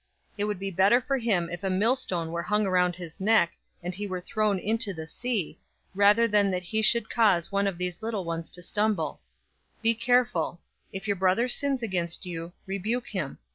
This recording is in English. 017:002 It would be better for him if a millstone were hung around his neck, and he were thrown into the sea, rather than that he should cause one of these little ones to stumble. 017:003 Be careful. If your brother sins against you, rebuke him.